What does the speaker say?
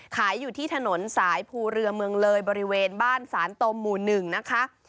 ขายอยู่ที่ถนนสายภูเรือเมืองเลยบริเวณบ้านสานตมหมู่๑นะคะ